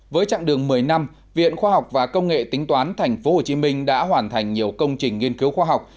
với trạng đường một mươi năm viện khoa học và công nghệ tính toán tp hcm đã hoàn thành nhiều công trình nghiên cứu khoa học